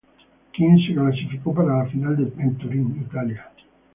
Kim se clasificó para la Final en Turín, Italia.